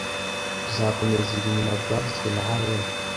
Tuzakomeza ibi nyuma byavuzwe na haruna